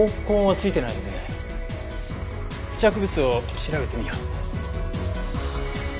付着物を調べてみよう。